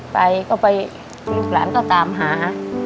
ไปก็ไปลูกหลานก็ตามหา